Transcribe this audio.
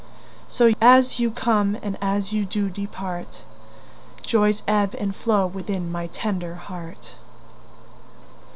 So as you come and as you do depart, Joys ebb and flow within my tender heart.